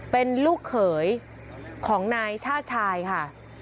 เป็นลูกเขยของนายชาติชายค่ะ